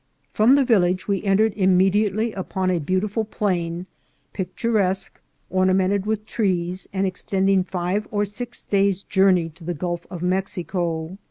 From the village we entered immediately upon a beautiful plain, picturesque, ornamented with trees, and extending five or six days' journey to the Gulf of Mex ico.